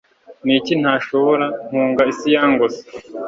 niki ntashobora, mpunga isi yangose